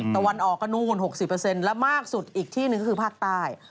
ตะวันออกก็นู่น๖๐และมากสุดอีกที่หนึ่งก็คือภาคใต้